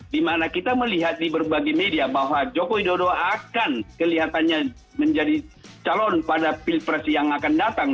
di mana kita melihat di berbagai media bahwa jokowi dodo akan kelihatannya menjadi calon pada pilpres yang akan datang